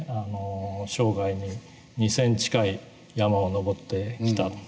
生涯に２，０００近い山を登ってきた。